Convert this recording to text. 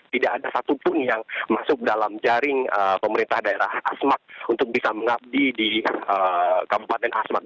tidak ada satupun yang masuk dalam jaring pemerintah daerah asmat untuk bisa mengabdi di kabupaten asmat